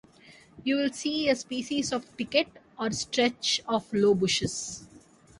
You will see a species of thicket, or stretch of low bushes.